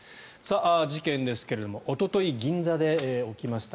事件ですがおととい、銀座で起きました。